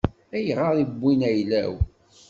Ayɣer i wwin ayla-w?